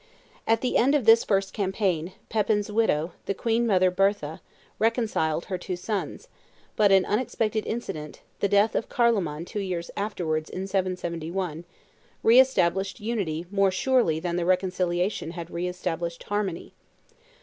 At the end of this first campaign, Pepin's widow, the Queen mother Bertha, reconciled her two sons; but an unexpected incident, the death of Carloman two years afterwards in 771, re established unity more surely than the reconciliation had re established harmony.